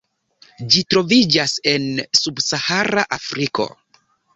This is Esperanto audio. Ĝi troviĝas en subsahara Afriko.